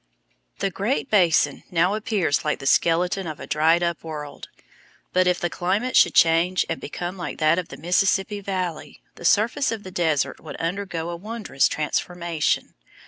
The Great Basin now appears like the skeleton of a dried up world; but if the climate should change and become like that of the Mississippi Valley, the surface of the desert would undergo a wondrous transformation.